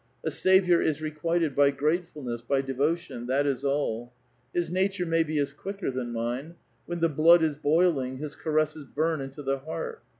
A saviour is requited b^' grate fulness, by devotion ; that is all. His nature maybe is quicker than mine. When the blood is boiling, his caresses burn into the heart.